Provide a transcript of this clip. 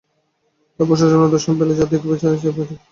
তারপর সুষুম্নার দর্শন পেলে যা দেখতে চাইবি, তাই দেখতে পাওয়া যায়।